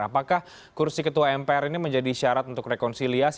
apakah kursi ketua mpr ini menjadi syarat untuk rekonsiliasi